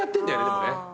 でもね。